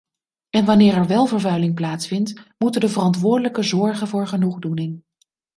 En wanneer er wel vervuiling plaatsvindt, moeten de verantwoordelijken zorgen voor genoegdoening.